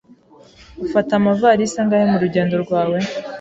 Ufata amavalisi angahe murugendo rwawe?